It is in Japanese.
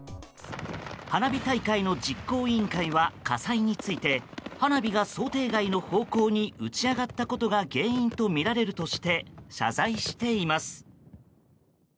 花火大会の実行委員会は火災について花火が想定外の方向に打ち上がったことが原因とみられるとして謝罪しています。